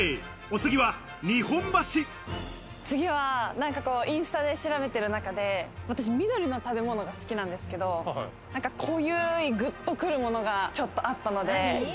次はインスタで調べてる中で、緑の食べ物が好きなんですけど、濃いグッとくるものがあったので。